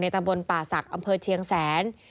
ตำบลป่าศักดิ์อำเภอเชียงแสน